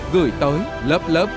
gửi tới lớp lớp